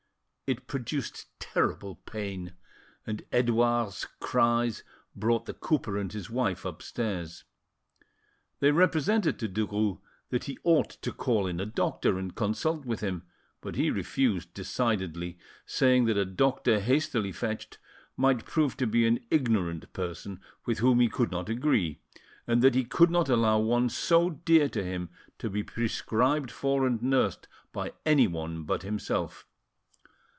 It produced terrible pain, and Edouard's cries brought the cooper and his wife upstairs. They represented to Derues that he ought to call in a doctor and consult with him, but he refused decidedly, saying that a doctor hastily fetched might prove to be an ignorant person with whom he could not agree, and that he could not allow one so dear to him to be prescribed for and nursed by anyone but himself.